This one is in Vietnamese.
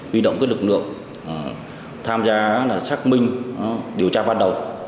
huy động các lực lượng tham gia xác minh điều tra ban đầu